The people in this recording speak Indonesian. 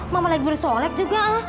mama lagi bersolek juga